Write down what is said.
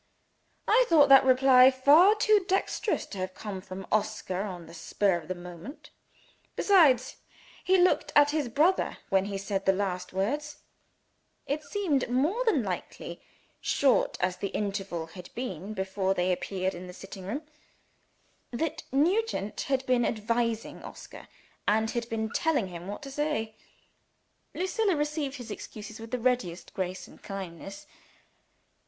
I thought that reply far too dexterous to have come from Oscar on the spur of the moment. Besides, he looked at his brother when he said the last words. It seemed more than likely short as the interval had been before they appeared in the sitting room that Nugent had been advising Oscar, and had been telling him what to say. Lucilla received his excuses with the readiest grace and kindness.